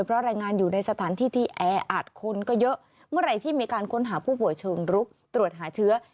เพราะรายงานอยู่ในสถานที่ที่แออัดคนก็เยอะเมื่อไหร่ที่มีการค้นหาผู้ป่วยเชิงรุกตรวจหาเชื้อ